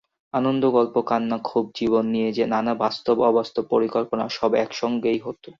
আনন্দ, গল্প, কান্না, ক্ষোভ, জীবন নিয়ে নানা বাস্তব-অবাস্তব পরিকল্পনা—সব একসঙ্গেই হতো।